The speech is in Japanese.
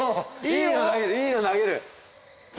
いいの投げる。